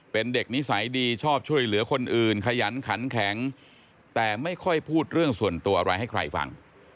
เป็นเด็กนิสัยดีชอบช่วยเหลือคนอื่นขยันขันแข็งแต่ไม่ค่อยพูดเรื่องส่วนตัวอะไรให้ใครฟัง